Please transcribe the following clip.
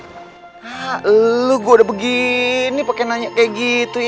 hah lu gua udah begini pake nanya kayak gitu